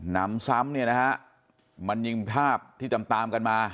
นำซ้ำเนี่ยนะฮะมันยิ่งภาพที่ตามตามกันมา